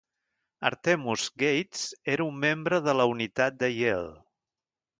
Artemus Gates era un membre de la unitat de Yale.